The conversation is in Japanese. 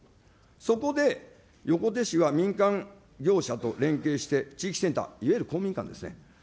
そこで、横手市は民間業者と連携して地域センター、いわゆる公民館ですね。